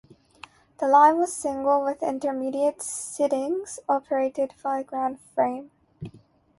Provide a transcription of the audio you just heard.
The line was single, with intermediate sidings operated by ground frame.